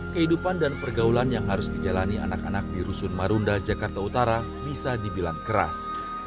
kehidupan dan pergaulan yang harus dijalani anak anak di rusun marunda jakarta utara bisa dibilang keras